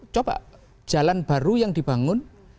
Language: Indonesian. coba jalan baru yang dibangun